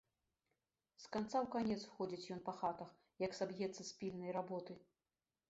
З канца ў канец ходзіць ён па хатах, як саб'ецца з пільнай работы.